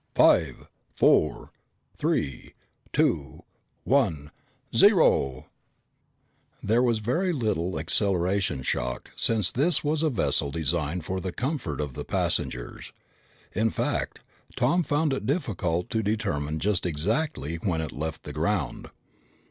"Five, four, three, two, one, zero!" There was very little acceleration shock, since this was a vessel designed for the comfort of the passengers. In fact, Tom found it difficult to determine just exactly when it left the ground.